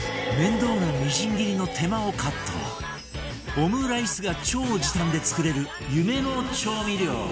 オムライスが超時短で作れる夢の調味料